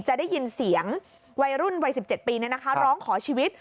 จะได้ยินเสียงวัยรุ่นวัยสิบเจ็ดปีเนี่ยนะคะร้องขอชีวิต